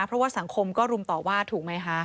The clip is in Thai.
เพราะว่าสังคมก็รุมต่อว่าถูกไหมคะ